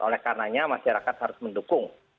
oleh karenanya masyarakat harus mendukung